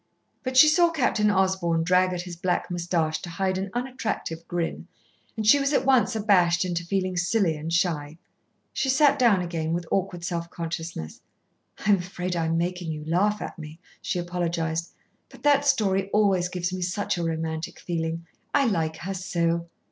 But she saw Captain Osborn drag at his black moustache to hide an unattractive grin, and she was at once abashed into feeling silly and shy. She sat down again with awkward self consciousness. "I'm afraid I'm making you laugh at me," she apologised, "but that story always gives me such a romantic feeling. I like her so."